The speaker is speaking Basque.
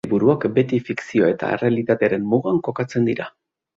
Bere liburuak beti fikzio eta errealitatearen mugan kokatzen dira.